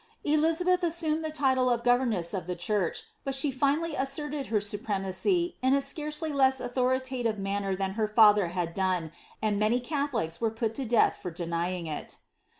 Elizabeth assumed the title of governess of the church, but she finally asserted her supremacy, in a scarcely less authoritative manner than her father had done, and many Catholics were put to death for denying it.